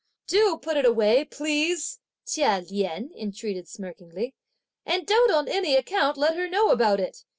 "Do put it away, please," Chia Lien entreated smirkingly, "and don't, on an any account, let her know about it!"